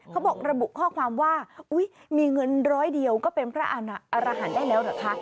เขาบอกระบุข้อความว่าอุ๊ยมีเงินร้อยเดียวก็เป็นพระอรหันต์ได้แล้วเหรอคะ